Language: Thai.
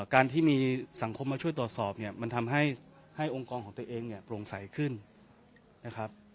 การที่มีสังคมมาช่วยตรวจสอบเนี่ยมันทำให้องค์กรของตัวเองเนี่ยโปร่งใสขึ้นนะครับ